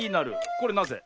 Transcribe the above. これなぜ？